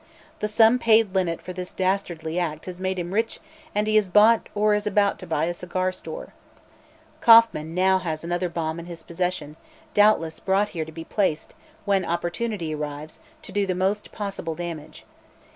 The sum paid Linnet for this dastardly act has made him rich and he has bought or is about to buy a cigar store. Kauffman now has another bomb in his possession, doubtless brought here to be placed, when opportunity arrives, to do the most possible damage.